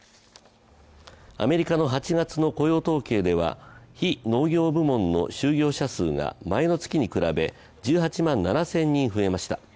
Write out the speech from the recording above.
アメリカの８月の雇用統計では非農業部門の就業者数が前の月に比べ１８万７０００人増えました。